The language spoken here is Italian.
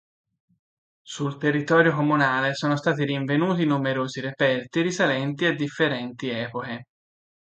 Sul territorio comunale sono stati rinvenuti numerosi reperti risalenti a differenti epoche.